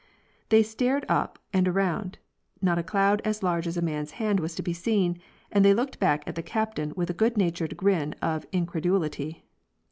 '' They stared up and around; not a cloud as large as a man's hand was to be seen, and they looked back at the captain with a good natured grin of incredulity.